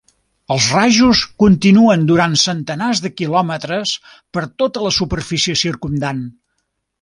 Els rajos continuen durant centenars de quilòmetres per tota la superfície circumdant.